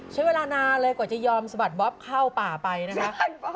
ใช้เวลานานเลยกว่าจะยอมสะบัดบ๊อบเข้าป่าไปนะคะ